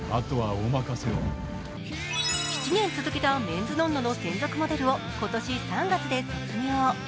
７年続けた「ＭＥＮ’ＳＮＯＮ−ＮＯ」の専属モデルを今年３月で卒業。